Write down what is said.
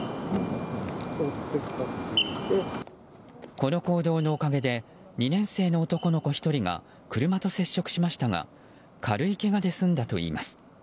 この行動のおかげで２年生の男の子１人が車と接触しましたが軽いけがで済んだといいます。